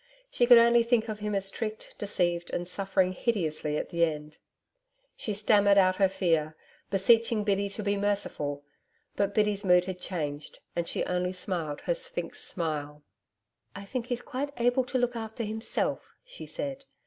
She could only think of him as tricked, deceived and suffering hideously at the end. She stammered out her fear, beseeching Biddy to be merciful, but Biddy's mood had changed, and she only smiled her Sphinx smile. 'I think he's quite able to look after himself,' she said.